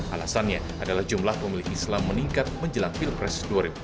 alasannya adalah jumlah pemilih islam meningkat menjelang pilpres dua ribu sembilan belas